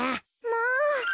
まあ。